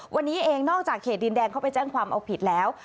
วันนี้เองนอกจากเขตดินแดงเข้าไปแจ้งความเอาผิดแล้ว